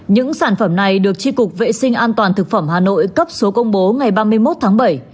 những sản phẩm này được tri cục vệ sinh an toàn thực phẩm hà nội cấp số công bố ngày ba mươi một tháng bảy